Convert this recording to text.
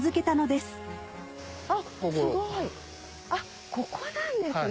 すごいここなんですね。